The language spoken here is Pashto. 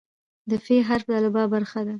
د "ف" حرف د الفبا برخه ده.